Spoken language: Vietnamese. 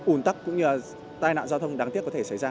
ủn tắc cũng như tai nạn giao thông đáng tiếc có thể xảy ra